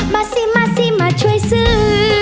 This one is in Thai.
มาซิมาช่วยซื้อ